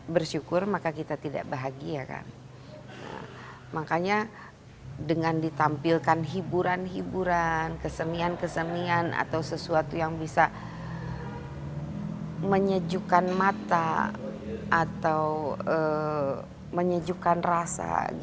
menyejukkan mata atau menyejukkan rasa